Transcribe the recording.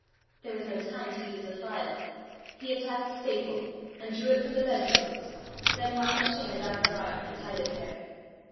There was no time to use the file: he attacked the staple, and drew it from the bed post, then wound the chain about her arm, and tied it there.